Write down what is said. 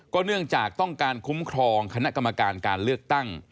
เนื่องจากต้องการคุ้มครองคณะกรรมการการเลือกตั้ง